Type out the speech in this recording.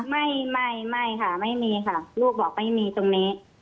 ไม่ไม่ค่ะไม่มีค่ะลูกบอกไม่มีตรงนี้